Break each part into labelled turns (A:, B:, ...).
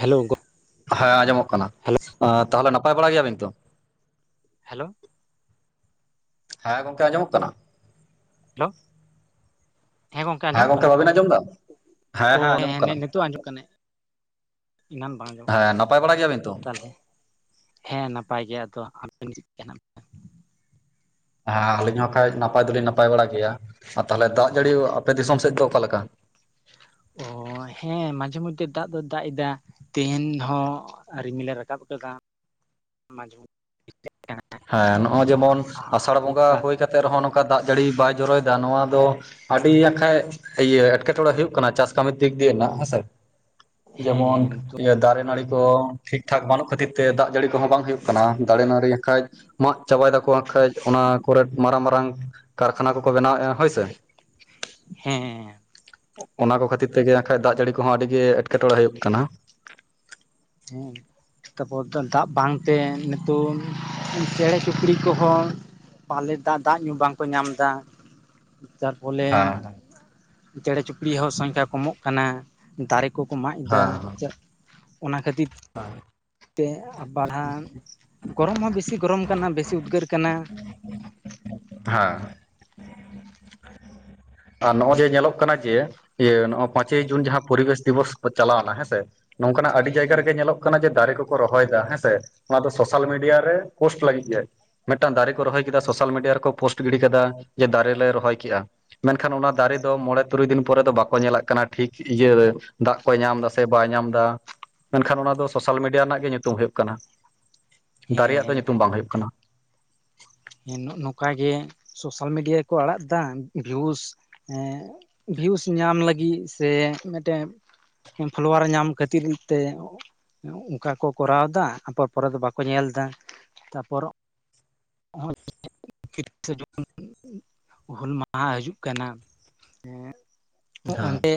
A: Hello ᱜᱚ
B: ᱦᱮᱸ ᱟᱸᱡᱚᱢᱚᱜ ᱠᱟᱱᱟ
A: ᱦᱮᱞᱳ
B: ᱛᱟᱦᱚᱞᱮ ᱱᱟᱯᱟᱭ ᱵᱟᱲᱟ ᱜᱮᱭᱟ ᱵᱤᱱ ᱛᱚ᱾
A: ᱦᱮᱞᱳ?
B: ᱦᱮᱸ ᱜᱚᱝᱠᱮ ᱟᱸᱡᱚᱢᱚᱜ ᱠᱟᱱᱟ?
A: ᱦᱮᱞᱳ ᱦᱮᱸ ᱜᱚᱝᱠᱮ ᱟᱸᱡᱚᱢᱚᱜ ᱠᱟᱱᱟ
B: ᱵᱟᱵᱤᱱ ᱟᱸᱡᱚᱢ ᱮᱫᱟ ᱦᱮᱸ
A: ᱚ
B: ᱦᱮᱸ ᱟᱸᱡᱚᱢᱚᱜ ᱠᱟᱱᱟ
A: [unintelligible] ᱛᱳᱜ ᱟᱸᱡᱚᱢᱚᱜ ᱠᱟᱱᱮ ᱮᱱᱟᱱ ᱵᱟᱝ ᱟᱸᱡᱚᱢᱚᱜ ᱠᱟᱱ
B: ᱦᱮᱸ
A: ᱛᱟᱦᱮᱸᱜ
B: ᱱᱟᱯᱟᱭ ᱵᱟᱲᱟ ᱜᱮᱭᱟᱵᱤᱱ ᱛᱚ
A: ᱛᱟᱞᱦᱮ᱾ ᱦᱮᱸ ᱱᱟᱯᱟᱭ ᱜᱮ ᱟᱫᱚ [unintelligible]
B: ᱦᱟ ᱟᱹᱞᱤᱧ ᱦᱚᱸ ᱠᱷᱟᱡ ᱱᱟᱯᱟᱭ ᱫᱚᱞᱤᱧ ᱱᱟᱯᱟᱭ ᱵᱟᱲᱟ ᱜᱮᱭᱟ ᱟᱨ ᱛᱟᱦᱞᱮ ᱫᱟᱜᱽ ᱡᱟᱹᱲᱤ ᱟᱯᱮ ᱫᱤᱥᱚᱢ ᱥᱮᱜ ᱫᱚ ᱚᱠᱟ ᱞᱮᱠᱟ᱾
A: ᱚ ᱦᱮᱸ ᱢᱟᱡᱷᱮ ᱢᱚᱡᱽᱫᱷᱮ ᱫᱟᱜ ᱫᱚᱭ ᱫᱟᱜ ᱮᱫᱟ ᱛᱮᱦᱮᱱ ᱦᱚᱸ ᱨᱤᱢᱤᱞᱮ ᱨᱟᱠᱟᱵ ᱠᱟᱫᱟ [unintelligible]
B: ᱦᱮᱸ ᱱᱚᱜᱚᱭ ᱡᱮᱢᱚᱱ ᱟᱥᱟᱲ ᱵᱚᱸᱜᱟ
A: ᱦᱟᱞᱠᱟ
B: ᱦᱩᱭ ᱠᱟ ᱛᱮ ᱨᱮᱦᱚᱸ ᱱᱚᱝᱠᱟ ᱫᱟᱜᱽ ᱡᱟᱹᱲᱤ ᱵᱟᱭ ᱡᱚᱨᱚᱭᱫᱟ ᱱᱚᱣᱟ ᱫᱚ ᱟᱹᱰᱤ ᱟᱸᱠᱷᱟᱡ ᱤᱭᱟᱹ ᱮᱴᱠᱮ ᱴᱚᱬᱮ ᱦᱩᱭᱩᱜ ᱠᱟᱱᱟ ᱪᱟᱥ ᱠᱟᱹᱢᱤ ᱫᱤᱠ ᱫᱤᱭᱮ ᱱᱟᱜᱽ ᱦᱮᱸᱥᱮ
A: ᱦᱮᱸ
B: ᱡᱮᱢᱚᱱ
A: ᱱᱤᱛᱚᱜ
B: ᱤᱭᱟᱹ ᱫᱟᱨᱮ ᱱᱟᱹᱲᱤ ᱠᱚ ᱴᱷᱤᱠ ᱴᱷᱟᱠ ᱵᱟᱹᱱᱩᱜ ᱠᱷᱟᱹᱛᱤᱨ ᱛᱮ ᱫᱟᱜ ᱡᱟᱹᱲᱤ ᱠᱚᱦᱚᱸ ᱵᱟᱝ ᱦᱩᱭᱩᱜ ᱠᱟᱱᱟ ᱫᱟᱨᱮ ᱱᱟᱹᱲᱤ ᱮᱠᱷᱟᱱᱡ ᱢᱟᱜ ᱪᱟᱵᱟ [unintelligible] ᱠᱷᱟᱡ ᱚᱱᱟ ᱠᱚᱨᱮ ᱢᱟᱨᱟᱝ ᱢᱟᱨᱟᱝ ᱠᱟᱨ ᱠᱷᱟᱱᱟ ᱠᱚᱠᱚ ᱵᱮᱱᱟᱣᱮᱜ-ᱟ ᱦᱚᱭᱥᱮ᱾
A: ᱦᱮᱸ ᱦᱮᱸ
B: ᱚᱱᱟ ᱠᱚ ᱠᱷᱟᱹᱛᱤᱨ ᱛᱮᱜᱮ ᱠᱷᱟᱡ ᱫᱟᱜᱽ ᱡᱟᱹᱲᱤ ᱠᱚᱦᱚᱸ ᱟᱹᱰᱤ ᱜᱮ ᱮᱴᱠᱮ ᱴᱚᱬᱮ ᱦᱩᱭᱩᱜ ᱠᱟᱱᱟ ᱾
A: ᱦᱮᱸ ᱾ ᱛᱟᱨᱯᱚᱨ ᱛᱚ ᱫᱟᱜᱽ ᱵᱟᱝᱛᱮ ᱱᱤᱛᱩᱱ ᱪᱮᱬᱮ ᱪᱩᱯᱲᱤ ᱠᱚᱦᱚᱸ ᱯᱟᱞᱮᱫ ᱫᱟ ᱫᱟᱜᱽ ᱧᱩ ᱵᱟᱝᱠᱚ ᱧᱟᱢ ᱫᱟ ᱾ ᱪᱟᱨᱯᱚᱞᱮᱱ
B: ᱦᱮᱸ
A: ᱪᱮᱬᱮ ᱪᱩᱯᱲᱤ ᱦᱚᱸ ᱥᱚᱸᱠᱷᱟᱭᱟ ᱠᱚᱢᱚᱜ ᱠᱟᱱᱟ ᱫᱟᱨᱮ ᱠᱚᱠᱚ ᱢᱟᱜ ᱮᱫᱟ ᱾
B: ᱦᱮᱸ
A: ᱪᱟᱹᱜ ᱚᱱᱟ ᱠᱷᱟᱹᱛᱤᱨ
B: [unintelligible]
A: ᱛᱮ [unintelligible] ᱜᱚᱨᱚᱢ ᱦᱚᱸ ᱵᱮᱥᱤ ᱜᱚᱨᱚᱢ ᱠᱟᱱᱟ ᱵᱮᱥᱤ ᱩᱫᱽᱜᱟᱹᱨ ᱠᱟᱱᱟ ᱾
B: [inaudible] ᱫᱷᱟ ᱾ ᱟᱨ ᱱᱚᱜ ᱡᱮ ᱧᱮᱞᱚᱜ ᱠᱟᱱᱟ ᱡᱮ ᱤᱭᱟᱹ ᱱᱚᱜ ᱚᱸ ᱯᱟᱸᱪᱮᱭ ᱡᱩᱱ ᱡᱟᱦᱟᱸ ᱯᱚᱨᱤᱵᱮᱥ ᱫᱤᱵᱚᱥ ᱪᱟᱞᱟᱣᱱᱟ ᱦᱮᱸᱥᱮ ᱱᱚᱝᱠᱟᱱᱟᱜ ᱟᱹᱰᱤ ᱡᱟᱭᱜᱟ
A: ᱦᱮᱸ
B: ᱨᱮᱜᱮ ᱧᱮᱞᱚᱜ ᱠᱟᱱᱟ ᱡᱮ ᱫᱟᱨᱮ ᱠᱚᱠᱚ ᱨᱚᱦᱚᱭ ᱫᱟ ᱦᱮᱸᱥᱮ ᱚᱱᱟ ᱫᱚ ᱥᱳᱥᱟᱞ ᱢᱤᱰᱤᱭᱟ ᱨᱮ ᱯᱳᱥᱴ ᱞᱟᱹᱜᱤᱜ ᱜᱮ ᱾ ᱢᱮᱴᱟᱝ ᱫᱟᱨᱮ ᱠᱚ ᱨᱚᱦᱚᱭ ᱠᱮᱫᱟ ᱥᱳᱥᱟᱞ ᱢᱤᱰᱤᱭᱟ ᱨᱮᱠᱚ ᱯᱳᱥᱴ ᱜᱤᱲᱤ ᱠᱟᱫᱟ ᱡᱮ ᱫᱟᱨᱮ ᱞᱮ ᱨᱚᱦᱚᱭ ᱠᱮᱜ-ᱟ ᱾ ᱢᱮᱱᱠᱷᱟᱱ ᱚᱱᱟ ᱫᱟᱨᱮ ᱫᱚ ᱢᱚᱬᱮ ᱛᱩᱨᱩᱭ ᱫᱤᱱ ᱯᱚᱨᱮ ᱫᱚ ᱵᱟᱠᱚ ᱧᱮᱞᱟᱜ ᱠᱟᱱᱟ ᱴᱷᱤᱠ ᱤᱭᱟᱹ ᱫᱟᱜᱽ ᱠᱚᱭ ᱧᱟᱢ ᱫᱟ ᱥᱮ ᱵᱟᱭ ᱧᱟᱢ ᱫᱟ᱾ ᱢᱮᱱᱠᱷᱟᱱ ᱚᱱᱟ ᱫᱚ ᱥᱳᱥᱟᱞ ᱢᱤᱰᱤᱭᱟ ᱨᱮᱱᱟᱜ ᱜᱮ ᱧᱩᱛᱩᱢ ᱦᱩᱭᱩᱜ ᱠᱟᱱᱟ ᱫᱟᱨᱮ ᱭᱟᱜ ᱫᱚ
A: ᱦᱮᱸ
B: ᱧᱩᱛᱩᱢ ᱵᱟᱝ ᱦᱩᱭᱩᱜ ᱠᱟᱱᱟ ᱾
A: ᱦᱮᱸ ᱱᱚᱜ-ᱱᱚᱝᱠᱟᱜᱮ ᱥᱳᱥᱟᱞ ᱢᱤᱰᱤᱭᱟ ᱠᱚ ᱟᱲᱟᱜ ᱫᱟ ᱵᱷᱤᱭᱩᱥ ᱮᱸ ᱵᱷᱤᱭᱩᱥ ᱧᱟᱢ ᱞᱟᱹᱜᱤᱜ ᱥᱮ ᱢᱮᱴᱮ ᱯᱷᱚᱞᱳᱣᱟᱨ ᱧᱟᱢ ᱠᱷᱟᱹᱛᱤᱨ ᱛᱮ ᱚᱝᱠᱟ ᱠᱚ ᱠᱚᱨᱟᱣ ᱫᱟ ᱯᱚᱨᱮ ᱫᱚ ᱵᱟᱠᱚ ᱧᱮᱞ ᱫᱟ ᱛᱟᱯᱚᱨ [unintelligible] ᱦᱩᱞ ᱢᱟᱦᱟ ᱦᱟᱹᱡᱩᱜ ᱠᱟᱱᱟ᱾
B: ᱦᱮᱸ
A: ᱚᱱᱛᱮ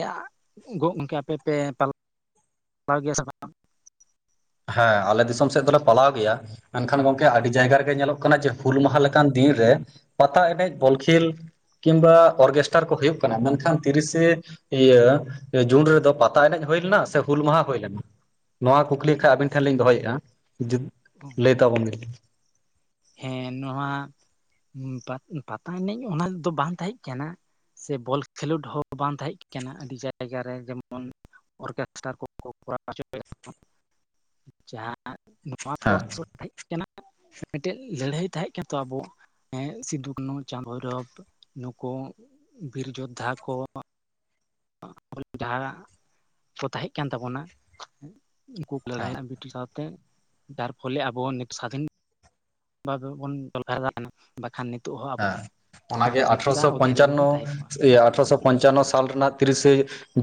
A: ᱜᱚᱝᱠᱮ ᱟᱯᱮ ᱯᱮ [unintelligible] ᱜᱮᱭᱟ ᱥᱮ ᱵᱟᱝ ᱾
B: ᱦᱮᱸ ᱟᱞᱮ ᱫᱤᱥᱚᱢ ᱥᱮᱫ ᱫᱚᱞᱮ ᱯᱟᱞᱟᱣ ᱜᱮᱭᱟ ᱾ ᱢᱮᱱᱠᱷᱟᱱ ᱜᱚᱝᱠᱮ ᱟᱹᱰᱤ ᱡᱟᱭᱜᱟ ᱨᱮᱜᱮ ᱧᱮᱞᱚᱜ ᱠᱟᱱᱟ ᱡᱮ ᱦᱩᱞ ᱢᱟᱦᱟ ᱞᱮᱠᱟᱱ ᱫᱤᱱ ᱨᱮ ᱯᱟᱛᱟ ᱮᱱᱮᱡ ᱵᱚᱞ ᱠᱷᱮᱞ ᱠᱤᱢᱵᱟ ᱚᱨᱜᱮᱥᱴᱟᱨ ᱠᱚ ᱦᱩᱭᱩᱜ ᱠᱟᱱᱟ ᱢᱮᱱᱠᱷᱟᱱ ᱛᱤᱨᱤᱥᱮ ᱤᱭᱟᱹ ᱡᱩᱱ ᱨᱮᱫᱚ ᱯᱟᱛᱟ ᱮᱱᱮᱡ ᱦᱩᱭ ᱞᱮᱱᱟ ᱥᱮ ᱦᱩᱞ ᱢᱟᱦᱟ ᱦᱩᱭ ᱞᱮᱱᱟ ᱱᱚᱣᱟ ᱠᱩ ᱠᱞᱤ ᱠᱷᱟᱜ ᱟᱵᱤᱱ ᱴᱷᱮᱱ ᱞᱤᱧ ᱫᱚᱦᱚᱭᱮᱜ-ᱟ ᱡᱩᱫ
A: ᱵᱟᱝ
B: ᱞᱟᱹᱭ ᱛᱟᱵᱚᱱ ᱵᱤᱱ ᱾
A: ᱦᱮᱸ ᱱᱚᱣᱟ ᱯᱟᱛᱟ ᱮᱱᱮᱡ ᱚᱱᱟ ᱫᱚ ᱵᱟᱝ ᱛᱟᱦᱮᱸᱜ ᱠᱟᱱᱟ᱾ ᱥᱮ ᱵᱚᱞ ᱠᱷᱮᱞᱳᱰ ᱦᱚᱸ ᱵᱟᱝ ᱛᱟᱦᱮᱸ ᱠᱟᱱᱟ ᱟᱹᱰᱤ ᱡᱟᱭᱜᱟ ᱨᱮ ᱡᱮᱢᱚᱱᱼᱼ ᱚᱨᱠᱮᱥᱴᱟᱨ ᱠᱚᱠᱚ ᱠᱚᱨᱟᱣ ᱦᱚᱪᱚ ᱭᱮᱫᱟ ᱠᱚ
B: ᱦᱮᱸ
A: ᱡᱟᱦᱟᱸᱼᱼ [inaudible] ᱢᱤᱴᱮᱡ ᱞᱟᱹᱲᱦᱟᱹᱭ ᱛᱟᱦᱮᱸᱜ ᱠᱟᱱᱟ ᱛᱚ ᱟᱵᱚ ᱥᱤᱫᱩ ᱠᱱᱩ ᱪᱟᱸᱫ ᱵᱷᱳᱭ ᱨᱚᱵᱽ᱾ ᱱᱩᱠᱩ ᱵᱤᱨ ᱡᱳᱫᱽᱫᱷᱟ ᱠᱚ᱾ [unintelligible] ᱡᱟᱦᱟᱸ ᱠᱚ ᱛᱟᱦᱮᱸᱜ ᱠᱟᱱ ᱛᱟᱵᱚᱱᱟ ᱩᱱᱠᱩ ᱠᱚ
B: ᱦᱮᱸ
A: ᱞᱟᱹᱲᱦᱟᱹᱭᱼᱼ ᱥᱟᱶᱛᱮ ᱡᱟᱨ ᱯᱷᱚᱞᱮ ᱟᱵᱚ ᱱᱤᱛ ᱥᱟᱫᱷᱤᱱᱼᱼ [inaudible] ᱵᱟᱠᱷᱟᱱ ᱱᱤᱛᱚᱜ ᱦᱚᱸᱼᱼ
B: ᱦᱮᱸ ᱚᱱᱟᱜᱮ ᱟᱴᱷᱨᱚᱥᱚ
A: ᱵᱚᱱ
B: ᱯᱚᱧᱪᱟᱱᱚ
A: ᱛᱟᱦᱮᱸ ᱠᱚᱜᱼᱟ
B: ᱟᱴᱷᱨᱚᱥᱚ ᱯᱚᱧᱪᱟᱱᱚ ᱥᱟᱞ ᱨᱮᱱᱟᱜ ᱛᱤᱨᱤᱥᱮᱼᱼ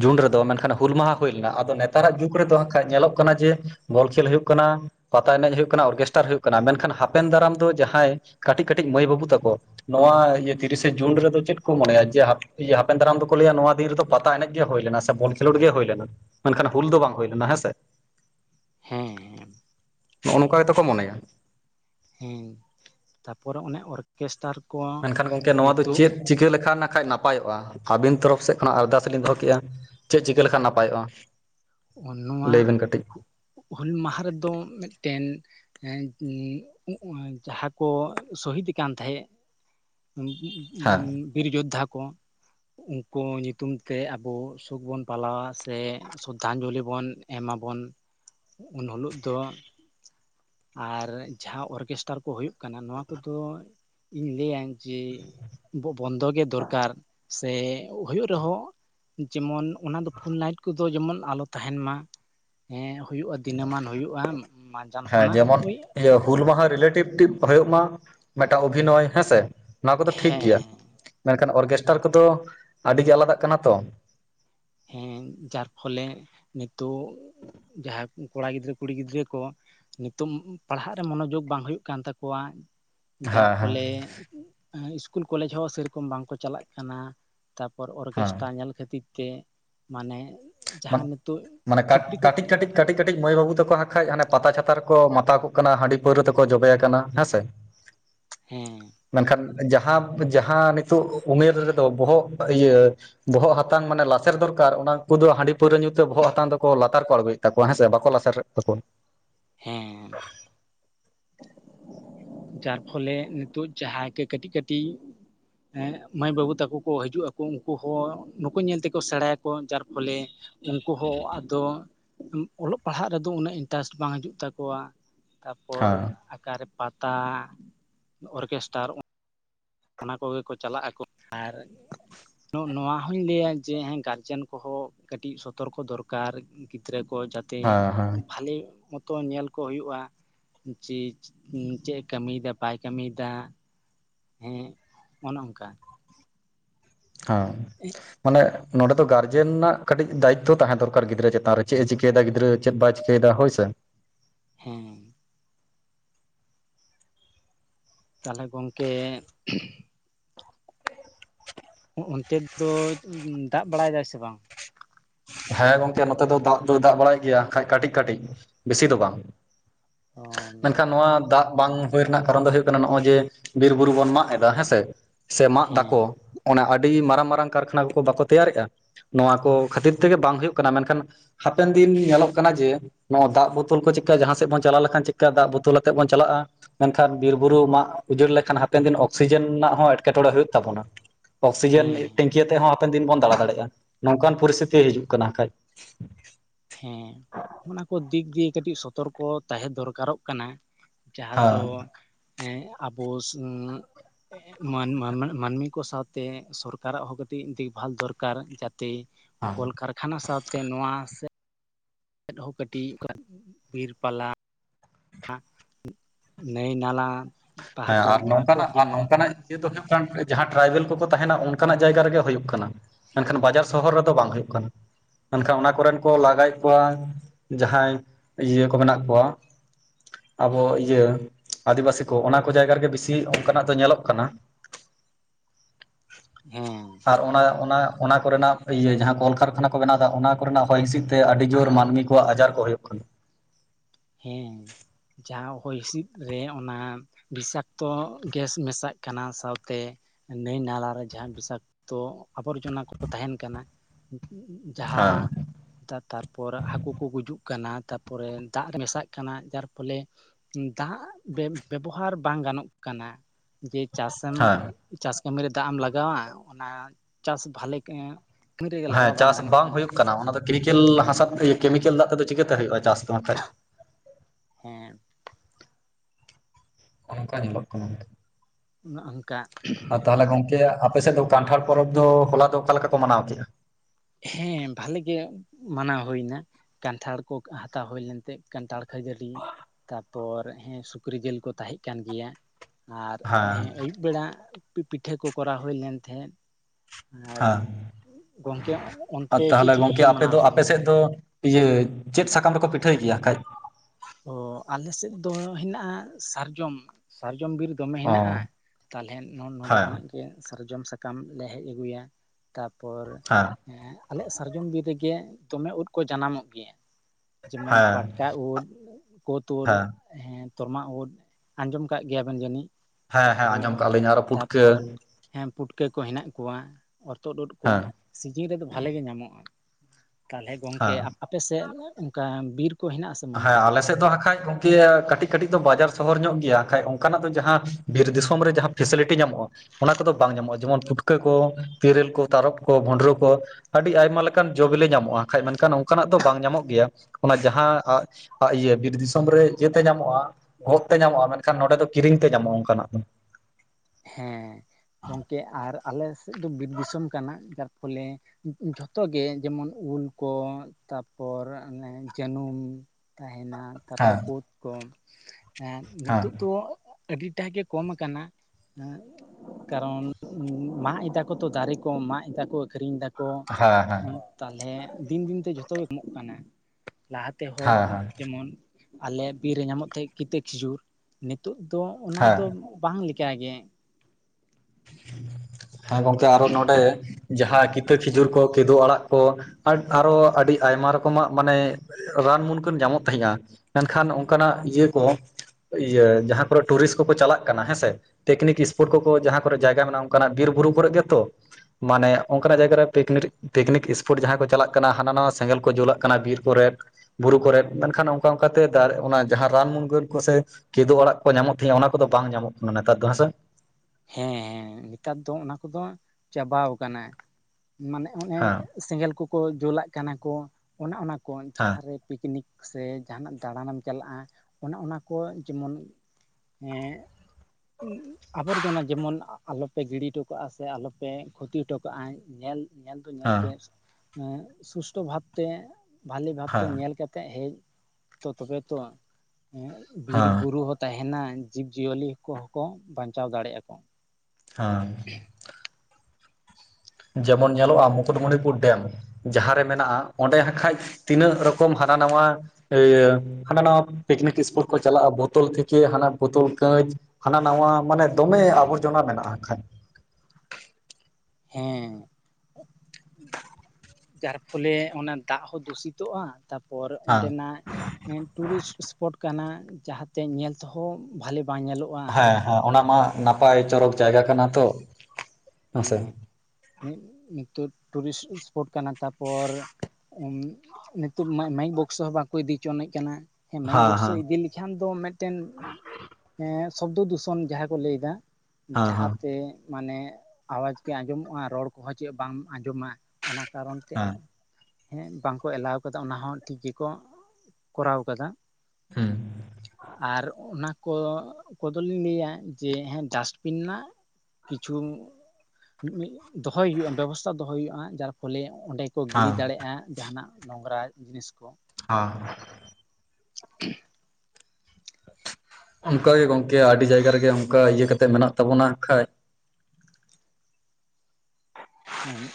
B: ᱡᱩᱱ ᱨᱮᱫᱚ ᱢᱮᱱᱠᱷᱟᱱ ᱦᱩᱞ ᱢᱟᱦᱟ ᱦᱩᱭ ᱞᱮᱱᱟ ᱟᱫᱚ ᱱᱮᱛᱟᱨ ᱟᱜ ᱡᱩᱜᱽ ᱨᱮᱫᱚ ᱦᱟᱡᱠᱷᱟᱱ ᱧᱮᱞᱚᱜ ᱠᱟᱱᱟ ᱡᱮ ᱵᱚᱞ ᱠᱷᱮᱞ ᱦᱩᱭᱩᱜ ᱠᱟᱱᱟ᱾ ᱯᱟᱛᱟ ᱮᱱᱮᱡ ᱦᱩᱭᱩᱜ ᱠᱟᱱᱟ ᱚᱨᱜᱮᱥᱴᱟᱨ ᱦᱩᱭᱩᱜ ᱠᱟᱱᱟ ᱢᱮᱱᱠᱷᱟᱱ ᱦᱟᱯᱮᱱ ᱫᱟᱨᱟᱢ ᱫᱚ ᱡᱟᱦᱟᱸᱭ ᱠᱟᱹᱴᱤᱡ ᱠᱟᱹᱴᱤᱡ ᱢᱟᱹᱭ ᱵᱟᱹᱵᱩ ᱛᱟᱠᱚᱼᱼ ᱱᱚᱣᱟ ᱤᱭᱟᱹ ᱛᱤᱨᱤᱥᱮ ᱡᱩᱱ ᱨᱮᱫᱚ ᱪᱮᱫ ᱠᱚ ᱢᱚᱱᱮ ᱭᱟ ᱡᱮ ᱦᱟᱯᱮᱱ ᱫᱟᱨᱟᱢ ᱫᱚᱠᱚ ᱞᱟᱹᱭᱟ ᱱᱚᱣᱟ ᱫᱤᱱ ᱨᱮᱫᱚᱼᱼ ᱯᱟᱛᱟ ᱮᱱᱮᱡ ᱜᱮ ᱦᱩᱭ ᱞᱮᱱᱟ ᱥᱮ ᱵᱚᱞ ᱠᱷᱮᱞᱳᱰ ᱜᱮ ᱦᱩᱭ ᱞᱮᱱᱟ ᱢᱮᱱᱠᱷᱟᱱ ᱦᱩᱞ ᱫᱚ ᱵᱟᱝ ᱦᱩᱭ ᱞᱮᱱᱟ ᱦᱮᱸ ᱥᱮ᱾
A: ᱦᱮᱸᱻ
B: ᱱᱚᱝᱚᱭ ᱱᱚᱝᱠᱟ ᱜᱮᱛᱚ ᱠᱚ ᱢᱚᱱᱮᱭᱟ᱾
A: ᱦᱩᱸ ᱛᱟᱯᱚᱨ ᱚᱱᱮ ᱚᱨᱜᱮᱥᱴᱟᱨ ᱠᱚ
B: ᱢᱮᱱᱠᱷᱟᱱ ᱜᱚᱢᱠᱮ ᱱᱚᱣᱟ ᱫᱚ
A: ᱱᱤᱛᱚᱜᱼᱼ
B: ᱪᱮᱫ ᱪᱤᱠᱟᱹ ᱞᱮᱠᱷᱟᱱ ᱱᱟᱠᱷᱟᱡ ᱱᱟᱯᱟᱭᱚᱜᱼᱟ ᱟᱹᱵᱤᱱ ᱛᱚᱨᱚᱵ ᱥᱮᱫ ᱠᱷᱚᱱᱟᱜ ᱟᱨᱫᱟᱥ ᱞᱤᱧ ᱫᱚᱦᱚ ᱠᱮᱫᱮᱜᱼᱟ᱾ ᱪᱮᱫ ᱪᱤᱠᱟᱹ ᱞᱮᱠᱷᱟᱱ ᱱᱟᱯᱟᱭᱚᱜᱼᱟ?
A: ᱱᱚᱣᱟ
B: ᱞᱟᱹᱭ ᱵᱤᱱ ᱠᱟᱹᱴᱤᱡ
A: ᱦᱩᱞ ᱢᱟᱦᱟ ᱨᱮᱫᱚ ᱢᱤᱫᱴᱮᱱᱼᱼ ᱦᱮᱸ ᱡᱟᱦᱟᱸ ᱠᱚ ᱥᱚᱦᱤᱫ ᱠᱟᱱ ᱛᱟᱦᱮᱸᱫᱼᱼ ᱩᱱ ᱠᱩ
B: ᱦᱮᱸ
A: ᱵᱤᱨ ᱡᱳᱫᱽᱫᱷᱟ ᱠᱚ᱾ ᱩᱱᱠᱩ ᱧᱩᱛᱩᱢ ᱛᱮ ᱟᱵᱚ ᱥᱩᱠ ᱵᱚᱱ ᱯᱟᱞᱟᱣᱟ ᱥᱮ ᱼᱼ ᱛᱷᱟᱱ ᱡᱚᱞᱤ ᱵᱚᱱ ᱮᱢᱟ ᱵᱚᱱ ᱩᱱ ᱦᱤᱞᱳᱜ ᱫᱚᱼᱼ ᱟᱨ ᱡᱟᱦᱟ ᱚᱨᱜᱮᱥᱴᱟᱨ ᱠᱚ ᱦᱩᱭᱩᱜ ᱠᱟᱱᱟ ᱱᱚᱣᱟ ᱠᱚᱫᱚᱼᱼ ᱤᱧ ᱞᱮᱭᱟ ᱡᱮ ᱵᱚᱱᱫᱚ ᱜᱮ ᱫᱚᱨᱠᱟᱨ ᱥᱮ ᱦᱩᱭᱩᱜ ᱨᱮᱦᱚᱸ ᱡᱮᱢᱚᱱᱼᱼ ᱚᱱᱟ ᱫᱚ ᱯᱷᱩᱞ ᱱᱟᱭᱤᱴ ᱠᱚᱫᱚ ᱡᱮᱢᱚᱱ ᱟᱞᱚ ᱛᱟᱦᱮᱱ ᱢᱟ ᱦᱮᱼᱼ ᱦᱩᱭᱩᱜᱼᱟ ᱫᱤᱱᱟᱹᱢᱟᱱ ᱦᱩᱭᱩᱜᱼᱟ ᱢᱟᱸᱡᱟᱱ
B: ᱦᱮᱸ
A: ᱠᱷᱚᱱᱟᱜᱼᱼ
B: ᱡᱮᱢᱚᱱ ᱤᱭᱟᱹ ᱦᱩᱞ ᱢᱟᱦᱟ ᱨᱤᱞᱮᱴᱤᱵ ᱦᱳᱭᱳᱜ ᱢᱟ ᱢᱤᱫᱴᱟᱝ ᱚᱵᱷᱤᱱᱚᱭ ᱦᱮᱸᱥᱮ? ᱱᱚᱣᱟ ᱠᱚᱫᱚ ᱴᱷᱤᱠ ᱜᱮᱭᱟ
A: ᱦᱮᱸ
B: ᱢᱮᱱᱠᱷᱟᱱ ᱚᱨᱜᱮᱥᱴᱟᱨ ᱠᱚᱫᱚ ᱟᱹᱰᱤ ᱜᱮ ᱟᱞᱟᱫᱟᱜ ᱠᱟᱱᱟ ᱛᱚ ᱾
A: ᱦᱮᱸ ᱡᱟᱨ ᱯᱷᱚᱞᱮ ᱱᱤᱛᱚᱜ ᱡᱟᱦᱟᱸ ᱠᱚᱲᱟ ᱜᱤᱫᱽᱨᱟᱹ ᱠᱩᱲᱤ ᱜᱤᱫᱽᱨᱟᱹ ᱠᱚᱼᱼ ᱱᱤᱛᱚᱜ ᱯᱟᱲᱦᱟᱜ ᱨᱮ ᱢᱚᱱᱚᱡᱳᱜᱽ ᱵᱟᱝ ᱦᱩᱭᱩᱜ ᱠᱟᱱ ᱛᱟᱠᱚᱣᱟ᱾ ᱡᱟᱨ
B: ᱦᱮᱸ ᱦᱮᱸ
A: ᱯᱷᱚᱞᱮ ᱤᱥᱠᱩᱞ ᱠᱚᱞᱮᱡᱽ ᱦᱚᱸ ᱥᱮ ᱨᱚᱠᱚᱢ ᱵᱟᱝᱠᱚ ᱪᱟᱞᱟᱜ ᱠᱟᱱᱟ᱾ ᱛᱟᱯᱚᱨ
B: ᱦᱮᱸ
A: ᱚᱨᱜᱮᱥᱴᱨᱟᱨ ᱧᱮᱞ ᱠᱷᱟᱹᱛᱤᱨ ᱛᱮ ᱢᱟᱱᱮᱼᱼ ᱡᱟᱦᱟᱸ ᱱᱤᱛᱚᱜ
B: ᱢᱟᱱᱮ
A: ᱪᱷᱟᱹᱯᱲᱤ ᱠᱚ
B: ᱠᱟᱹᱴᱤᱡ ᱠᱟᱹᱴᱤᱡ ᱠᱟᱹᱴᱤᱡ ᱠᱟᱹᱴᱤᱡ ᱢᱟᱹᱭ ᱵᱟᱹᱵᱩ ᱛᱟᱠᱚ ᱦᱟᱡᱠᱷᱟᱱ ᱦᱟᱱᱮ ᱯᱟᱛᱟ ᱪᱷᱟᱛᱟ ᱨᱮᱠᱚ ᱢᱟᱛᱟᱣ ᱠᱚᱜ ᱠᱟᱱᱟ ᱦᱟᱹᱰᱤ ᱯᱟᱹᱣᱨᱟᱹ ᱛᱮᱠᱚ ᱡᱚᱵᱮ ᱟᱠᱟᱱᱟ ᱦᱮᱸ ᱥᱮ᱾
A: ᱦᱩᱸ
B: ᱢᱮᱱᱠᱷᱟᱱ ᱡᱟᱦᱟᱸ ᱡᱟᱦᱟᱸ ᱱᱤᱛᱚᱜ ᱩᱢᱮᱨ ᱨᱮᱫᱚ ᱵᱚᱦᱚᱜ ᱤᱭᱟᱹᱼᱼ ᱵᱚᱦᱚᱜ ᱦᱟᱛᱟᱝ ᱢᱟᱱᱮ ᱞᱟᱥᱮᱨ ᱫᱚᱨᱠᱟᱨ ᱚᱱᱟᱠᱩ ᱫᱚ ᱦᱟᱺᱰᱤᱼᱼ ᱯᱩᱭᱨᱳ ᱧᱩ ᱛᱮ ᱵᱚᱦᱚᱜ ᱦᱟᱛᱟᱝ ᱫᱚ ᱞᱟᱛᱟᱨ ᱠᱚ ᱟᱜᱩ ᱮᱫ ᱛᱟᱠᱚᱣᱟ ᱦᱮᱸ ᱥᱮ ᱵᱟᱠᱚ ᱞᱟᱥᱮᱨ ᱮᱫ ᱛᱟᱠᱚᱣᱟ᱾
A: ᱦᱮᱸ ᱡᱟᱨ ᱯᱷᱚᱞᱮ ᱱᱤᱛᱳᱜ ᱡᱟᱦᱟᱸᱭ ᱜᱮ ᱠᱟᱹᱴᱤᱡ ᱠᱟᱹᱴᱤᱡᱼᱼ ᱦᱮᱜ ᱢᱟᱹᱭ ᱵᱟᱹᱵᱩ ᱛᱟᱠᱚ ᱠᱚ ᱦᱤᱡᱩᱜ ᱟᱠᱚ ᱩᱱᱠᱩ ᱦᱚᱸ ᱱᱩᱠᱩ ᱧᱮᱞ ᱛᱮᱠᱚ ᱥᱮᱬᱟᱭᱟᱠᱚ ᱡᱟᱨ ᱯᱷᱚᱞᱮᱼᱼ ᱩᱱᱠᱩ ᱦᱚᱸ ᱟᱫᱚ ᱚᱞᱚᱜ ᱯᱟᱲᱦᱟᱜ ᱨᱮᱫᱚ ᱩᱱᱟᱹᱜ ᱤᱱᱴᱟᱨᱮᱥᱴ ᱵᱟᱝ ᱦᱤᱡᱩᱜ ᱛᱟᱠᱚᱣᱼᱟ᱾ ᱛᱟ ᱯᱚᱨ
B: ᱦᱮᱸ
A: ᱚᱠᱟᱨᱮ ᱯᱟᱛᱟ ᱚᱨᱜᱮᱥᱴᱟᱨᱼᱼ ᱚᱱᱟ ᱠᱚᱜᱮ ᱠᱚ ᱪᱟᱞᱟᱜ ᱟᱠᱚ ᱟᱨᱼᱼ ᱱᱚᱣᱟ ᱦᱚᱧ ᱞᱮᱹᱭᱟ ᱡᱮ ᱦᱮᱸ ᱜᱟᱨᱡᱮᱱ ᱠᱚᱦᱚᱸ ᱠᱟᱹᱴᱤᱡ ᱥᱚᱛᱚᱨᱠᱚ ᱫᱚᱨᱠᱟᱨ᱾ ᱥᱚᱨᱠᱟᱨ ᱜᱤᱫᱽᱨᱟᱹ ᱠᱚ ᱡᱟᱛᱮ
B: ᱦᱮᱸ ᱦᱮᱸ
A: ᱵᱷᱟᱞᱤ ᱢᱚᱛᱚ ᱧᱮᱞᱼᱼ ᱠᱚ ᱦᱩᱭᱩᱜᱼᱟ, ᱡᱮᱪ ᱩᱢ ᱪᱮᱜ ᱮ ᱠᱟᱹᱢᱤᱭ ᱫᱟ ᱵᱟᱭ ᱠᱟᱹᱢᱤᱭ ᱫᱟ᱾ ᱦᱮᱸ, ᱚᱱᱚ ᱚᱝᱠᱟ᱾
B: ᱦᱚ᱾
A: [unintelligible]
B: ᱢᱟᱱᱮ ᱱᱚᱸᱰᱮ ᱫᱚ ᱜᱟᱨᱡᱮᱱ ᱱᱟᱜ ᱠᱟᱹᱴᱤᱡ ᱫᱟᱭᱤᱛᱛᱚ ᱛᱟᱦᱮᱸ ᱫᱚᱨᱠᱟᱨ ᱜᱤᱫᱽᱨᱟᱹ ᱪᱮᱛᱟᱱ ᱨᱮ, ᱪᱮᱜ ᱮ ᱪᱤᱠᱟᱹᱭ ᱫᱟ ᱜᱤᱫᱽᱨᱟᱹ? ᱪᱮᱫ ᱵᱟᱭ ᱪᱤᱠᱟᱹᱭ ᱮᱫᱟ, ᱦᱳᱭ ᱥᱮ᱾
A: ᱦᱮᱸ᱾ ᱛᱟᱦᱚᱞᱮ ᱜᱚᱝᱠᱮ ᱚ-ᱚᱱᱛᱮ ᱫᱚ ᱫᱟᱜ ᱵᱟᱲᱟᱭ ᱫᱟᱭ ᱥᱮ ᱵᱟᱝ?
B: ᱦᱮᱸ ᱜᱚᱝᱠᱮ, ᱱᱚᱛᱮ ᱫᱚ ᱫᱟᱜ ᱫᱚ ᱫᱟᱜ ᱵᱟᱲᱟᱭ ᱜᱮᱭᱟ, ᱠᱷᱟᱡ ᱠᱟᱴᱤᱡ ᱠᱟᱴᱤᱡ, ᱵᱮᱥᱤ ᱫᱚ ᱵᱟᱝ᱾ ᱢᱮᱱᱠᱷᱟᱱ ᱱᱚᱣᱟ ᱫᱟᱜ ᱵᱟᱝ ᱦᱳᱭ ᱨᱮᱱᱟᱜ ᱠᱟᱨᱚᱱ ᱫᱚ ᱦᱳᱭᱳᱜ ᱠᱟᱱᱟ, ᱱᱚᱜᱼᱚᱭ ᱡᱮ ᱵᱤᱨᱼᱵᱩᱨᱩ ᱵᱚᱱ ᱢᱟᱜ ᱮᱫᱟ ᱦᱮᱸᱥᱮ ᱥᱮ ᱢᱟᱜ ᱫᱟᱠᱚ᱾
A: ᱦᱮᱸ
B: ᱚᱱᱟ ᱟᱹᱰᱤ ᱢᱟᱨᱟᱝ ᱢᱟᱨᱟᱝ ᱠᱟᱨᱠᱷᱟᱱᱟ ᱠᱚᱠᱚ ᱵᱟᱠᱚ ᱛᱮᱭᱟᱨᱮᱜᱼᱟ, ᱱᱚᱣᱟ ᱠᱚ ᱠᱷᱟᱹᱛᱤᱨ ᱛᱮᱜᱮ ᱵᱟᱝ ᱦᱩᱭᱩᱜ ᱠᱟᱱᱟ ᱢᱮᱱᱠᱷᱟᱱ ᱦᱟᱯᱮᱱ ᱫᱤᱱ ᱧᱮᱞᱚᱜ ᱠᱟᱱᱟ ᱡᱮ, ᱱᱚᱣᱟ ᱫᱟᱜ ᱵᱳᱛᱳᱞ ᱠᱚ ᱪᱤᱜᱠᱟ ᱡᱟᱦᱟᱸ ᱥᱮᱜ ᱵᱚᱱ ᱪᱟᱞᱟᱣ ᱞᱮᱠᱷᱟᱱ ᱪᱤᱜᱠᱟ ᱫᱟᱜ ᱵᱳᱛᱳᱞ ᱟᱛᱮᱜ ᱵᱚᱱ ᱪᱟᱞᱟᱜᱼᱟ᱾ ᱢᱮᱱᱠᱷᱟᱱ ᱵᱤᱨᱼᱵᱩᱨᱩ ᱢᱟᱜ ᱩᱡᱟᱹᱲ ᱞᱮᱠᱷᱟᱱ ᱦᱟᱯᱮᱱ ᱫᱤᱱ ᱚᱠᱥᱤᱡᱮᱱ ᱮᱱᱟᱜ ᱦᱚᱸ ᱮᱴᱠᱮᱼᱴᱚᱬᱮ ᱦᱩᱭᱩᱜ ᱛᱟᱵᱚᱱᱟ᱾ ᱚᱠᱥᱤᱡᱮᱱ
A: ᱦᱮᱸ
B: ᱴᱮᱝᱠᱤᱭᱟᱛᱮᱜ ᱦᱚᱸ ᱦᱟᱯᱮᱱ ᱫᱤᱱ ᱵᱚᱱ ᱫᱟᱬᱟ ᱫᱟᱲᱮᱭᱟᱜᱼᱟ, ᱱᱚᱝᱠᱟᱱ ᱯᱚᱨᱤᱥᱛᱤᱛᱤ ᱦᱤᱡᱩᱜ ᱠᱟᱱᱟ ᱠᱷᱟᱡ᱾
A: ᱦᱮᱸ, ᱚᱱᱟ ᱠᱚ ᱫᱤᱠ ᱫᱤᱭᱮ ᱠᱟᱹᱴᱤᱡ ᱥᱚᱛᱚᱨᱠᱚ ᱛᱟᱦᱮᱸ ᱫᱚᱨᱠᱟᱨᱚᱜ ᱠᱟᱱᱟ᱾ ᱡᱟᱦᱟᱸ ᱫᱚ
B: ᱦᱮᱸ
A: ᱮᱸ ᱟᱵᱚ ᱥᱩᱼᱟᱸᱜ ᱢᱟᱱ ᱢᱟᱱᱮ ᱢᱟᱹᱱᱢᱤ ᱠᱚ ᱥᱟᱶᱛᱮ ᱥᱚᱨᱠᱟᱨᱟᱜ ᱦᱚᱸ ᱠᱟᱹᱴᱤᱡ ᱫᱮᱠᱷᱵᱷᱟᱞ ᱫᱚᱨᱠᱟᱨ, ᱡᱟᱛᱮ
B: ᱦᱮᱸ
A: ᱠᱚᱞ ᱠᱟᱨᱠᱷᱟᱱᱟ ᱥᱟᱶᱛᱮ ᱱᱚᱣᱟ ᱥᱟᱹ ᱮᱫ ᱦᱚ ᱠᱟᱹᱴᱤᱡ [unintelligible] ᱵᱤᱨ ᱯᱟᱞᱟ ᱟ ᱱᱟᱹᱭᱼᱱᱟᱞᱟ,
B: ᱦᱮᱸ ᱟᱨ ᱱᱚᱝᱠᱟᱱᱟᱜ ᱟᱨ ᱱᱚᱝᱠᱟᱱᱟᱜ ᱪᱮ ᱫᱚ ᱦᱟᱸᱜ ᱚᱱ ᱡᱟᱦᱟᱸ ᱴᱨᱟᱭᱵᱮᱞ ᱠᱚᱠᱚ ᱛᱟᱦᱮᱱᱟ ᱚᱱᱠᱟᱱᱟᱜ ᱡᱟᱭᱜᱟ ᱨᱮᱜᱮ ᱦᱤᱭᱤᱜ ᱠᱟᱱᱟ᱾ ᱢᱮᱱᱠᱷᱟᱱ ᱵᱟᱡᱟᱨ ᱥᱚᱦᱚᱨ ᱨᱮᱫᱚ ᱵᱟᱝ ᱦᱩᱭᱩᱜ ᱠᱟᱱᱟ᱾ ᱢᱮᱱᱠᱷᱟᱱ ᱚᱱᱟ ᱠᱚᱨᱮᱱ ᱠᱚ ᱞᱟᱜᱟᱭᱮᱜ ᱠᱚᱣᱟ ᱡᱟᱦᱟᱸᱭ ᱤᱭᱟᱹ ᱠᱚ ᱢᱮᱱᱟᱜ ᱠᱚᱣᱟ᱾ ᱟᱵᱚ ᱤᱭᱟᱹ ᱟᱹᱫᱤᱵᱟᱹᱥᱤ ᱠᱚ, ᱚᱱᱟ ᱠᱚ ᱡᱟᱭᱜᱟ ᱨᱮᱜᱮ ᱵᱮᱥᱤ ᱚᱱᱠᱟᱱᱟᱜ ᱫᱚ ᱧᱮᱞᱚᱜ ᱠᱟᱱᱟ᱾
A: ᱦᱮᱸ᱾
B: ᱟᱨ ᱚᱱᱟ ᱚᱱᱟ ᱚᱱᱟ ᱠᱚᱨᱮᱱᱟᱜ ᱤᱭᱟᱹ ᱡᱟᱦᱟᱸ ᱠᱚᱞ ᱠᱟᱨᱠᱷᱟᱱᱟ ᱠᱚ ᱵᱮᱱᱟᱣ ᱫᱟ, ᱚᱱᱟ ᱠᱚᱨᱮᱱᱟᱜ ᱦᱚᱭ ᱦᱤᱸᱥᱤᱫ ᱛᱮ ᱟᱹᱰᱤ ᱡᱳᱨ ᱢᱟᱹᱱᱢᱤ ᱠᱚᱣᱟᱜ ᱟᱡᱟᱨ ᱠᱚ ᱦᱳᱭᱳᱜ ᱠᱟᱱᱟ᱾
A: ᱦᱮᱸ, ᱡᱟᱦᱟᱸ ᱦᱚᱭ ᱦᱤᱸᱥᱤᱫ ᱨᱮ ᱚᱱᱟ ᱵᱤᱥᱟᱠᱛᱚ ᱜᱮᱥ ᱢᱮᱥᱟᱜ ᱠᱟᱱᱟ, ᱥᱟᱶᱛᱮ ᱱᱟᱹᱭᱼᱱᱟᱞᱟ ᱨᱮ ᱡᱟᱦᱟᱸ ᱵᱤᱥᱟᱠᱛᱚ ᱟᱵᱚᱨᱡᱚᱱᱟ ᱠᱚ ᱛᱟᱦᱮᱱ ᱠᱟᱱᱟ᱾ ᱡᱟᱦᱟᱸ
B: ᱦᱮᱸ
A: ᱛᱟ-ᱛᱟᱨᱯᱚᱨ ᱦᱟᱹᱠᱩ ᱠᱚ ᱜᱩᱡᱩᱜ ᱠᱟᱱᱟ ᱛᱟᱯᱚᱨᱮ ᱛᱟᱜ ᱨᱮ ᱢᱮᱥᱟᱜ ᱠᱟᱱᱟ, ᱡᱟᱨᱯᱷᱚᱞᱮ ᱩᱸ ᱫᱟᱜ ᱵᱮ-ᱵᱮᱵᱚᱦᱟᱨ ᱵᱟᱝ ᱜᱟᱱᱚᱜ ᱠᱟᱱᱟ᱾ ᱡᱮ ᱪᱟᱥᱮᱢ
B: ᱦᱮᱸ
A: ᱪᱟᱥ ᱠᱟᱹᱢᱤ ᱨᱮ ᱫᱟᱜ ᱮᱢ ᱞᱟᱜᱟᱣᱟ ᱚᱱᱟ ᱪᱟᱥ ᱵᱷᱟᱞᱮ ᱮᱸᱜ
B: ᱦᱮᱸ, ᱪᱟᱥ ᱵᱟᱝ ᱦᱳᱭᱳᱜ ᱠᱟᱱᱟ ᱚᱱᱟ ᱫᱚ ᱠᱮᱨᱤᱠᱮᱞ ᱦᱟᱥᱟᱛ ᱟᱹᱭᱟᱹ ᱠᱮᱢᱤᱠᱮᱞ ᱫᱟᱜ ᱛᱮᱫᱚ ᱪᱤᱠᱟ ᱛᱮ ᱦᱳᱭᱳᱜᱼᱟ ᱪᱟᱥ ᱫᱚ ᱦᱟᱸᱜᱼᱠᱷᱟᱡ?
A: ᱦᱮᱸ᱾
B: ᱚᱱᱠᱟ ᱧᱮᱞᱚᱜ ᱠᱟᱱᱟ᱾
A: ᱚᱱᱟᱜ ᱦᱩᱝᱠᱟ
B: ᱟ ᱛᱟᱦᱚᱞᱮ ᱜᱚᱝᱠᱮ, ᱟᱯᱮᱥᱮᱫ ᱫᱚ ᱠᱟᱱᱴᱷᱟᱲ ᱯᱚᱨᱚᱵᱽ ᱫᱚ ᱦᱚᱞᱟ ᱫᱚ ᱚᱠᱟ ᱞᱮᱠᱟ ᱠᱚ ᱢᱟᱱᱟᱣ ᱠᱮᱜᱼᱟ?
A: ᱦᱮᱸ, ᱵᱷᱟᱞᱮ ᱜᱮ ᱢᱟᱱᱟᱣ ᱦᱳᱭᱱᱟ᱾ ᱠᱟᱱᱴᱷᱟᱲ ᱠᱚᱠ ᱦᱟᱛᱟᱣ ᱦᱳᱭ ᱞᱮᱱᱛᱮ ᱠᱟᱱᱴᱷᱟᱲ, ᱠᱷᱟᱹᱡᱟᱹᱲᱤ ᱛᱟᱯᱚᱨ ᱦᱮᱸ ᱥᱩᱠᱨᱤ ᱡᱤᱞ ᱠᱚ ᱛᱟᱦᱮᱸᱜ ᱠᱟᱱ ᱜᱮᱭᱟ᱾ ᱟᱨ ᱦᱮᱸ ᱟᱹᱭᱩᱵ ᱵᱮᱲᱟ ᱯᱤ-ᱯᱤᱴᱷᱟᱹ ᱠᱚ ᱠᱚᱨᱟᱣ ᱦᱳᱭ ᱞᱮᱱ ᱛᱟᱦᱮᱸ᱾ ᱟᱨ ᱜᱚᱝ
B: ᱟ ᱛᱟᱦᱟᱞᱮ ᱜᱚᱝᱠᱮ ᱟᱯᱮ ᱫᱚ ᱟᱯᱮ ᱥᱮᱜ ᱫᱚ ᱤᱭᱟᱹ ᱪᱮᱫ ᱥᱟᱠᱟᱢ ᱨᱮᱠᱚ ᱯᱤᱴᱷᱟᱹᱭ ᱜᱮᱭᱟ ᱠᱷᱟᱡ?
A: ᱚ ᱟᱞᱮ ᱥᱮᱡ ᱫᱚ ᱦᱮᱱᱟᱜᱼᱟ, ᱥᱟᱨᱡᱚᱢ ᱥᱟᱨᱡᱚᱢ ᱵᱩᱨᱩᱵ᱾ ᱫᱚᱢᱮ
B: ᱚ
A: ᱦᱮᱱᱟᱜᱼᱟ ᱛᱟᱦᱚᱞᱮ ᱱᱚᱰᱮ
B: ᱦᱮᱸ
A: ᱠᱷᱚᱱᱟᱜ ᱜᱮ ᱥᱟᱨᱡᱚᱢ ᱥᱟᱠᱟᱢ ᱞᱮ ᱦᱮᱡ ᱟᱹᱜᱩᱭᱟ᱾ ᱛᱟᱨᱯᱚᱨ
B: ᱦᱮᱸ
A: ᱟᱞᱮᱭᱟᱜ ᱥᱟᱨᱡᱚᱢ ᱵᱤᱨ ᱨᱮᱜᱮ ᱫᱚᱢᱮ ᱩᱫ ᱠᱚ ᱡᱟᱱᱟᱢᱚᱜ ᱜᱮᱭᱟ᱾ ᱡᱮᱢᱚᱱ
B: ᱦᱮᱸ
A: ᱯᱟᱴᱠᱟ ᱩᱞ
B: ᱦᱮᱸ
A: ᱠᱳᱛᱩᱨ,
B: ᱦᱮᱸ
A: ᱦᱮᱸ ᱛᱚᱨᱢᱟᱞ ᱩᱫ ᱟᱸᱡᱚᱢ ᱠᱟᱜ ᱜᱮᱭᱟᱵᱤᱱ ᱡᱟᱹᱱᱤᱡ᱾
B: ᱦᱮᱸ ᱦᱮᱸ
A: ᱦᱳᱭ
B: ᱟᱸᱡᱚᱢ ᱠᱟᱜᱼᱟ ᱞᱤᱧ ᱟᱨᱚ ᱯᱩᱴᱠᱟᱹ
A: ᱛᱟᱯᱚᱨ ᱦᱮᱸ ᱯᱩᱴᱠᱟᱹ ᱠᱚ ᱦᱮᱱᱟᱜ ᱠᱚᱣᱟ ᱚᱨ-ᱛᱩᱫ ᱩᱫ ᱠᱚ
B: ᱦᱮᱸ
A: ᱥᱤᱡᱤᱱ ᱨᱮᱫᱚ ᱵᱷᱟᱞᱮᱜ ᱜᱮ ᱧᱟᱢᱚᱜᱼᱟ᱾ ᱛᱟᱦᱚᱞᱮ ᱜᱚᱝᱠᱮ
B: ᱦᱮᱸ
A: ᱟᱯᱮᱥᱮᱫ ᱚᱱᱠᱟ ᱵᱤᱨ ᱠᱚ ᱦᱮᱱᱟᱜ ᱟᱥᱮ
B: ᱦᱮᱸ
A: ᱵᱟᱹᱱᱩᱜᱼᱟ
B: ᱟᱞᱮᱥᱮᱫ ᱫᱚ ᱦᱟᱠᱷᱟᱡ ᱜᱚᱢᱠᱮ ᱠᱟᱹᱴᱤᱡ ᱠᱟᱹᱴᱤᱡ ᱫᱚ ᱵᱟᱡᱟᱨ ᱥᱚᱦᱚᱨ ᱧᱚᱜ ᱜᱮᱭᱟ ᱠᱷᱟᱡ ᱚᱱᱠᱟᱱᱟᱜ ᱫᱚ ᱡᱟᱦᱟᱸ ᱵᱤᱨ ᱫᱤᱥᱚᱢ ᱨᱮ ᱡᱟᱦᱟᱸ ᱯᱷᱮᱥᱮᱞᱤᱴᱤ ᱧᱟᱢᱚᱜᱼᱟ ᱚᱱᱟ ᱠᱚᱫᱚ ᱵᱟᱝ ᱧᱟᱢᱚᱜᱼᱟ᱾ ᱡᱮᱢᱚᱱ ᱯᱩᱴᱠᱟᱹ ᱠᱚ ᱛᱮᱨᱮᱞ ᱠᱚ ᱛᱟᱨᱚᱵ ᱠᱚ ᱵᱷᱩᱸᱰᱨᱟᱹ ᱠᱚ᱾ ᱟᱹᱰᱤ ᱟᱭᱢᱟ ᱞᱮᱠᱟᱱ ᱡᱚᱵᱮᱞᱮ ᱧᱟᱢᱚᱜᱼᱟ ᱠᱷᱟᱡ ᱢᱮᱱᱠᱷᱟᱱ ᱚᱱᱠᱟᱱᱟᱜ ᱫᱚ ᱵᱟᱝ ᱧᱟᱢᱚᱜ ᱜᱮᱭᱟ, ᱚᱱᱟ ᱡᱟᱦᱟᱸ ᱤᱭᱟᱹ ᱵᱤᱨ ᱫᱤᱥᱚᱢ ᱨᱮ ᱡᱮᱛᱮ ᱧᱟᱢᱚᱜᱼᱟ᱾ ᱜᱚᱜ ᱛᱮ ᱧᱟᱢᱚᱜᱼᱟ ᱢᱮᱱᱠᱷᱟᱱ ᱱᱚᱰᱮ ᱫᱚ ᱠᱤᱨᱤᱧ ᱛᱮ ᱧᱟᱢᱚᱜᱼᱟ ᱚᱱᱠᱟᱱᱟᱜ ᱫᱚ᱾
A: ᱦᱮᱸ ᱜᱚᱢᱠᱮ ᱟᱨ ᱟᱞᱮ ᱥᱮᱫ ᱫᱚ ᱵᱤᱨ ᱫᱤᱥᱚᱢ ᱠᱟᱱᱟ ᱡᱟᱨ ᱯᱷᱚᱞᱮ ᱡᱷᱚᱛᱚ ᱜᱮ ᱡᱮᱢᱚᱱ ᱩᱞ ᱠᱚ ᱛᱟᱯᱚᱨ ᱡᱟᱹᱱᱩᱢ ᱛᱟᱦᱮᱱᱟ᱾ ᱛᱟᱯᱚᱨ
B: ᱦᱮᱸ
A: ᱠᱚᱳᱫ ᱠᱚ
B: ᱦᱮᱸ
A: ᱱᱤᱛᱳ ᱫᱚ ᱟᱹᱰᱤᱴᱟ ᱜᱮ ᱠᱚᱢ ᱟᱠᱟᱱᱟ᱾ ᱦᱮᱸ ᱠᱟᱨᱚᱱ ᱢᱟᱜ ᱮᱫᱟ ᱠᱚ ᱛᱚ ᱫᱟᱨᱮ ᱠᱚ ᱢᱟᱜ ᱮᱫᱟ ᱠᱚ ᱟᱹᱠᱷᱨᱤᱧ ᱮᱫᱟ ᱠᱚ᱾
B: ᱦᱮᱸ ᱦᱮᱸ
A: ᱛᱟᱞᱦᱮ ᱫᱤᱱ ᱫᱤᱱ ᱛᱮ ᱡᱚᱛᱚ ᱜᱮ ᱠᱚᱢᱚᱜ ᱠᱟᱱᱟ᱾ ᱞᱟᱦᱟᱛᱮ ᱛᱮ ᱦᱚᱸ
B: ᱦᱮᱸ
A: ᱡᱮᱢᱚᱱ ᱟᱞᱮᱭᱟᱜ ᱵᱤᱨ ᱨᱮ ᱧᱟᱢᱚᱜ ᱛᱟᱦᱮᱸᱜ ᱠᱤᱛᱟᱹ ᱠᱷᱤᱡᱩᱨ, ᱱᱤᱛᱚᱜ ᱫᱚ ᱚᱱᱟ
B: ᱦᱮᱸ
A: ᱫᱚ ᱵᱟᱝ ᱞᱮᱠᱟᱜᱮ᱾
B: ᱦᱮᱸ ᱜᱚᱝᱠᱮ ᱟᱨᱦᱚᱸ ᱱᱚᱸᱰᱮ ᱡᱟᱦᱟᱸ ᱠᱤᱛᱟᱹ ᱠᱷᱤᱡᱩᱨ ᱠᱚ ᱠᱤᱫᱩᱜ ᱟᱲᱟᱜ ᱠᱚ ᱟᱨᱚ ᱟᱹᱰᱤ ᱟᱭᱢᱟ ᱨᱚᱠᱚᱢᱟᱜ ᱢᱟᱱᱮ ᱨᱟᱱ ᱢᱩᱱᱜᱟᱹᱱ ᱧᱟᱢᱚᱜ ᱛᱟᱦᱮᱼᱟ, ᱢᱮᱱᱠᱷᱟᱱ ᱚᱱᱠᱟᱱᱟᱜ ᱤᱭᱟᱹ ᱠᱚ ᱤᱭᱟᱹ ᱡᱟᱦᱟᱸ ᱠᱚᱨᱮ ᱴᱩᱨᱤᱥᱴ ᱠᱚ ᱠᱚ ᱪᱟᱞᱟᱜ ᱠᱟᱱᱟ ᱦᱮᱸᱥᱮ ᱯᱤᱠᱱᱤᱠ ᱥᱯᱚᱴ ᱠᱚ ᱠᱚ ᱡᱟᱦᱟᱸ ᱠᱚᱨᱮ ᱡᱟᱭᱜᱟ ᱢᱮᱱᱟᱜᱼᱟ ᱚᱱᱠᱟᱱᱟᱜ ᱵᱤᱨ ᱵᱩᱨᱩ ᱠᱚᱨᱮ ᱜᱮᱛᱚ ᱢᱟᱱᱮ ᱚᱱᱠᱟᱱᱟᱜ ᱡᱟᱭᱜᱟ ᱨᱮ ᱯᱤᱠᱱᱤᱠ ᱯᱤᱠᱱᱤᱠ ᱥᱯᱚᱴ ᱡᱟᱦᱟᱸᱭ ᱠᱚ ᱪᱟᱞᱟᱜ ᱠᱟᱱᱟ ᱦᱟᱱᱟ ᱱᱟᱣᱟ ᱥᱮᱸᱜᱮᱞ ᱠᱚ ᱡᱩᱞᱟᱜ ᱠᱟᱱᱟ ᱵᱤᱨ ᱠᱚᱨᱮᱜ, ᱵᱩᱨᱩ ᱠᱚᱨᱮᱫ ᱢᱮᱱᱠᱷᱟᱱ ᱚᱱᱠᱟ ᱚᱱᱠᱟᱛᱮ ᱟᱨ ᱚᱱᱟ ᱡᱟᱦᱟᱸ ᱨᱟᱱ ᱢᱩᱨᱜᱟᱹᱱ ᱠᱚᱥᱮ ᱠᱤᱫᱩᱜ ᱟᱲᱟᱜ ᱠᱚ ᱧᱟᱢᱚᱜ ᱛᱟᱦᱮᱸᱜ ᱚᱱᱟ ᱠᱚᱫᱚ ᱵᱟᱝ ᱧᱟᱢᱚᱜ ᱠᱟᱱᱟ ᱱᱮᱛᱟᱨ ᱫᱚ ᱦᱮᱸᱥᱮ᱾
A: ᱦᱮᱸ ᱦᱮᱸ ᱱᱮᱛᱟᱨ ᱫᱚ ᱚᱱᱟ ᱠᱚᱫᱚ ᱪᱟᱵᱟᱣ ᱠᱟᱱᱟ, ᱢᱟᱱᱮ ᱚᱱᱮ
B: ᱦᱮᱸ
A: ᱥᱮᱸᱜᱮᱞ ᱠᱚᱠᱚ ᱡᱩᱞᱟᱜ ᱠᱟᱱᱟ ᱠᱚ ᱚᱱᱮ ᱚᱱᱟ ᱠᱚ
B: ᱦᱮᱸ
A: ᱡᱟᱦᱟᱸ ᱨᱮ ᱯᱤᱠᱱᱤᱠ ᱥᱮ ᱡᱟᱦᱟᱱᱟᱜ ᱫᱟᱬᱟᱱᱮᱢ ᱪᱟᱞᱟᱜᱼᱟ ᱚᱱᱮ ᱚᱱᱟ ᱠᱚ ᱡᱮᱢᱚᱱ [unintelligible] ᱡᱮᱢᱚᱱ ᱟᱞᱚᱯᱮ ᱜᱤᱰᱤ ᱦᱚᱴᱚ ᱠᱟᱜᱼᱟ ᱥᱮ ᱟᱞᱚᱯᱮ ᱠᱷᱚᱛᱤ ᱦᱚᱴᱚ ᱠᱟᱜᱼᱟ, ᱧᱮᱞ ᱧᱮᱞ ᱫᱚ ᱧᱮᱞ
B: ᱦᱮᱸ
A: ᱯᱮ ᱥᱩᱥᱴᱷ ᱵᱷᱟᱵᱽ ᱛᱮ᱾ ᱵᱷᱟᱞᱮ ᱵᱷᱟᱵᱽ ᱛᱮ
B: ᱦᱮᱸ
A: ᱧᱮᱞ ᱠᱟᱛᱮᱜ ᱦᱮᱡ ᱛᱚ ᱛᱚᱵᱮ ᱛᱚ ᱵᱤᱨ
B: ᱦᱮᱸ
A: ᱵᱩᱨᱩ ᱦᱚᱸ ᱛᱟᱦᱮᱱᱟ ᱡᱤᱵᱽᱡᱤᱭᱟᱹᱞᱤ ᱠᱚᱦᱚᱸ ᱠᱚ ᱵᱟᱧᱪᱟᱣ ᱫᱟᱲᱮᱭᱟᱜ ᱟᱠᱚ᱾
B: ᱦᱮᱸ
A: [unintelligible]
B: ᱡᱮᱢᱚᱱ ᱧᱮᱞᱚᱜᱼᱟ ᱢᱩᱠᱩᱴᱢᱩᱱᱤ ᱯᱩᱨ ᱰᱮᱢ᱾ ᱡᱟᱦᱟᱸ ᱨᱮ ᱢᱮᱱᱟᱜᱼᱟ ᱚᱸᱰᱮ ᱦᱟᱸᱜ ᱠᱷᱟᱡ ᱛᱤᱱᱟᱹᱜ ᱨᱚᱠᱚᱢ ᱦᱟᱱᱟ ᱱᱟᱣᱟ ᱤᱭᱟᱹ ᱦᱟᱱᱟ ᱱᱟᱣᱟ ᱯᱤᱠᱱᱤᱠ ᱥᱯᱚᱴ ᱠᱚ ᱪᱟᱞᱟᱜᱼᱟ ᱵᱳᱛᱚᱞ ᱛᱷᱮᱠᱮ ᱦᱟᱱᱟ ᱵᱳᱛᱚᱞ ᱠᱟᱸᱪ ᱦᱟᱱᱟ ᱱᱟᱣᱟ ᱢᱟᱱᱮ ᱫᱚᱢᱮ ᱟᱵᱚᱨᱡᱚᱱᱟ ᱢᱮᱱᱟᱜᱼᱟ ᱠᱷᱟᱡ᱾
A: ᱦᱮᱸ ᱡᱟᱨ ᱯᱷᱚᱞᱮ ᱚᱱᱟ ᱫᱟᱜ ᱦᱚᱸ ᱫᱩᱥᱤᱛᱚᱜᱼᱟ᱾ ᱛᱟᱯᱚᱨ
B: ᱦᱮᱸ
A: ᱚᱸᱰᱮᱱᱟᱜ ᱴᱩᱨᱤᱥᱴ ᱥᱯᱚᱴ ᱠᱟᱱᱟ, ᱡᱟᱦᱟᱸ ᱛᱮ ᱧᱮᱞ ᱛᱮᱦᱚ ᱵᱷᱟᱞᱤ ᱵᱟᱝ ᱧᱮᱞᱚᱜᱼᱟ᱾
B: ᱦᱮᱸ ᱦᱮᱸ ᱚᱱᱟ ᱢᱟ ᱱᱟᱯᱟᱭ ᱪᱚᱨᱚᱠ ᱡᱟᱭᱜᱟ
A: ᱦᱮᱸ
B: ᱠᱟᱱᱟ ᱛᱚ᱾
A: ᱦᱮᱸ
B: ᱦᱮᱸᱥᱮ
A: ᱢᱤᱫ ᱱᱤᱛᱳᱜ ᱴᱩᱨᱤᱥᱴ ᱥᱯᱚᱴ ᱠᱟᱱᱟ ᱛᱟᱯᱚᱨ ᱩᱱ ᱱᱤᱛᱚᱜ ᱢᱟᱭᱤᱠ ᱵᱚᱠᱥᱚ ᱦᱚᱸ ᱵᱟᱠᱚ ᱤᱫᱤ ᱦᱚᱪᱚ ᱟᱱᱤᱡ ᱠᱟᱱᱟ ᱦᱮᱸ ᱢᱟᱭᱤᱠ ᱵᱚᱠᱥᱚ ᱤᱫᱤ [unintelligible] ᱫᱚ ᱢᱤᱫᱴᱮᱱ ᱥᱚᱵᱽᱫᱚ ᱫᱩᱥᱚᱱ ᱡᱟᱦᱟᱸ ᱠᱚ ᱞᱟᱹᱭ ᱫᱟ᱾
B: ᱦᱮᱸ
A: ᱡᱟᱦᱟᱸ
B: ᱦᱮᱸ
A: ᱛᱮ ᱢᱟᱱᱮ ᱟᱣᱟᱡᱽ ᱜᱮ ᱟᱸᱡᱚᱢᱚᱜᱼᱟ ᱨᱚᱲ ᱠᱚᱦᱚᱸ ᱪᱮᱫ ᱵᱟᱢ ᱟᱸᱡᱚᱢᱟ ᱚᱱᱟ ᱠᱟᱨᱚᱱ ᱛᱮᱼᱼ
B: ᱦᱮᱸ
A: ᱦᱮᱸ ᱵᱟᱝᱠᱚ ᱮᱞᱟᱣ ᱟᱠᱟᱫᱟ ᱚᱱᱟ ᱦᱚᱸ ᱴᱷᱤᱠ ᱜᱮᱠᱚ ᱠᱚᱨᱟᱣ ᱟᱠᱟᱫᱟ᱾
B: ᱦᱩᱸ
A: ᱟᱨ ᱚᱱᱟᱼᱼ ᱠᱚ ᱠᱚᱫᱚ ᱞᱤᱧ ᱞᱟᱹᱭᱟ ᱡᱮ ᱦᱮᱸ ᱰᱟᱥᱴᱵᱤᱱ ᱨᱮᱱᱟᱜ ᱠᱤᱪᱷᱩᱼᱼ ᱫᱚᱦᱚᱭ ᱦᱩᱭᱩᱜᱼᱟ, ᱵᱮᱵᱚᱥᱛᱷᱟ ᱫᱚᱦᱚᱭ ᱦᱩᱭᱩᱜᱼᱟ, ᱡᱟᱨ ᱯᱷᱚᱞᱮ ᱚᱸᱰᱮ ᱠᱚ ᱜᱤᱲᱤ
B: ᱦᱮᱸ
A: ᱫᱟᱲᱮᱭᱟᱜᱼᱟ ᱡᱟᱦᱟᱱᱟᱜ᱾ ᱱᱚᱝᱨᱟ ᱡᱤᱱᱤᱥ ᱠᱚ᱾
B: ᱦᱚᱸ᱾ ᱚᱱᱠᱟ ᱜᱮ ᱜᱚᱝᱠᱮ ᱟᱹᱰᱤ ᱡᱟᱭᱜᱟ ᱨᱮᱜᱮ ᱚᱱᱠᱟ ᱤᱭᱟᱹ ᱠᱟᱛᱮᱫ ᱢᱮᱱᱟᱜ ᱛᱟᱵᱚᱱᱟ ᱦᱟᱜ ᱠᱷᱟᱱ᱾
A: ᱦᱮᱸ᱾